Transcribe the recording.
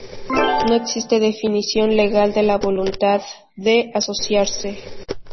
No existe definición legal de la voluntad de asociarse.